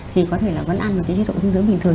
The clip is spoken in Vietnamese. thì có thể là vẫn ăn một cái chế độ dinh dưỡng bình thường